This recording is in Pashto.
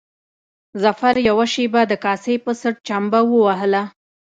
ظفر يوه شېبه د کاسې په څټ چمبه ووهله.